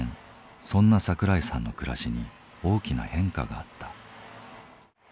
そんな桜井さんの暮らしに大きな変化があった。